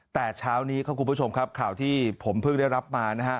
แต่เช้านี้ครับคุณผู้ชมครับข่าวที่ผมเพิ่งได้รับมานะฮะ